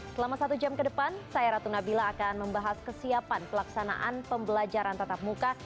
selama satu jam ke depan saya ratu nabila akan membahas kesiapan pelaksanaan pembelajaran tatap muka